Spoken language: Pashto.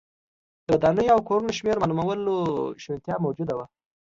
د ودانیو او کورونو شمېر معلومولو شونتیا موجوده وه